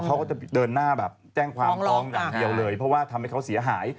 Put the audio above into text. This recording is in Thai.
เขาก็จะเดินหน้าแบบแจ้งความร้องอย่างเดียวเลยเพราะว่าทำให้เขาเสียหาย